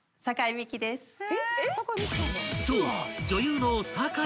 ［そう］